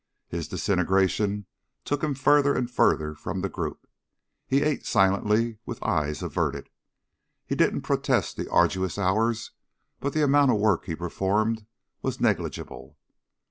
His disintegration took him further and further from the group. He ate silently, with eyes averted. He didn't protest the arduous hours, but the amount of work he performed was negligible.